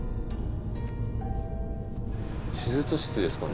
手術室ですかね。